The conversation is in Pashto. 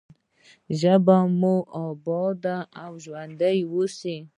ژبه مو اباده او ژوندۍ اوسه.